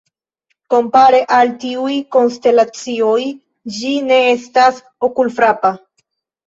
Kompare al tiuj konstelacioj ĝi ne estas okulfrapa.